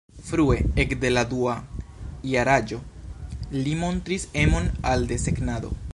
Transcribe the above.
Frue, ekde la dua jaraĝo li montris emon al desegnado.